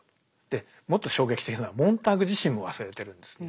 もっと衝撃的なのはモンターグ自身も忘れてるんですね。